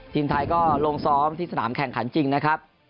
ทีมไทยก็ลงซ้อมที่สนามแข่งขันจริงนะครับ